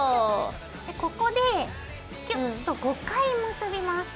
ここでキュッと５回結びます。